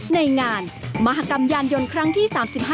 ในงานมหากรรมยานยนต์ครั้งที่๓๕